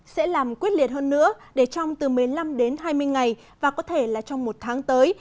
sẽ làm quyết liệt hơn nữa để trong từ một mươi năm đến hai mươi ngày và có thể là trong một tháng tới